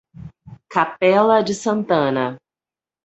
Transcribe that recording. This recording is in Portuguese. Capela de Santana